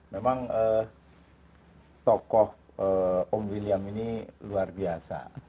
memang tokoh om william ini luar biasa